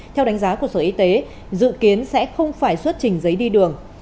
theo đánh giá của sở y tế dự kiến sẽ không phải xuất trình giấy đi đường